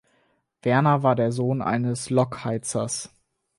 Werner war der Sohn eines Lokheizers.